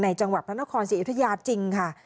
จังหวัดพระนครศรีอยุธยาจริงค่ะ